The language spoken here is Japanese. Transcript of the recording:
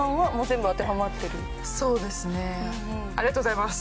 ありがとうございます。